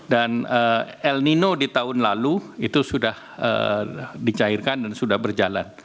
dan el nino di tahun lalu itu sudah dicairkan dan sudah berjalan